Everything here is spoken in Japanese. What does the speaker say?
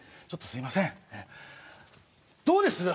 ちょっとすいませんどうです？